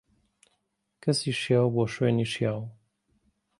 کەسی شیاو، بۆ شوێنی شیاو.